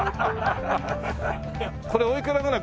これおいくらぐらい？